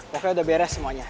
pokoknya udah beres semuanya